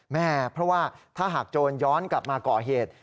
แม่เพราะว่าถ้าหากโจรย้อนกลับมาก่อเหตุ